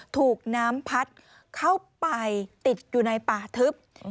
ถูกน้ำพัดเข้าไปติดอยู่ในป่าทึบ